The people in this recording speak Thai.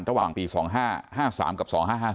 ระหว่างปี๒๕๕๓กับ๒๕๕๙